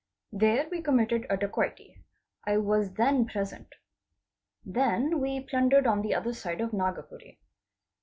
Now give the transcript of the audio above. There we committed a dacoity. I was then present. Then we plundered on the other side of Nagpuree.